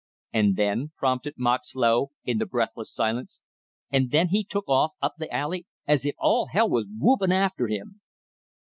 "And then?" prompted Moxlow, in the breathless silence. "And then he took off up the alley as if all hell was whoopin' after him!"